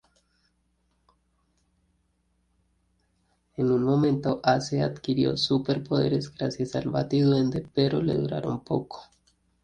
En un momento, Ace adquirió super-poderes gracias al Bati-duende, pero le duraron poco.